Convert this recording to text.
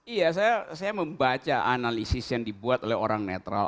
iya saya membaca analisis yang dibuat oleh orang netral